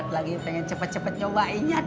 tuh lagi disiapin